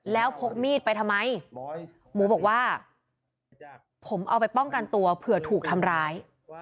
แล้วพกมีดไปทำไมหมูบอกว่าผมเอาไปป้องกันตัวเผื่อถูกทำร้าย